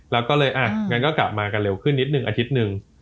แล้วก็เลยอ่ะงั้นก็กลับมากันเร็วขึ้นนิดนึงอาทิตย์หนึ่ง